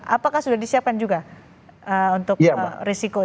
apakah sudah disiapkan juga untuk risiko ini